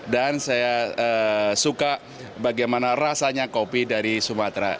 dan saya suka bagaimana rasanya kopi dari sumatera